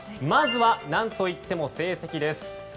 まずは何といっても成績です。